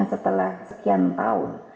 setelah sekian tahun